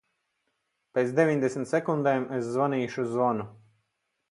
Pēc deviņdesmit sekundēm es zvanīšu zvanu.